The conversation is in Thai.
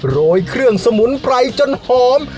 โรยเครื่องสมุนไพรจนหอม